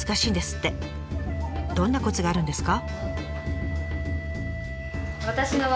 どんなコツがあるんですか？